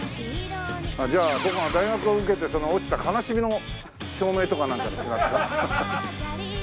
じゃあ僕が大学を受けてその落ちた悲しみの照明とかなんかにしますか？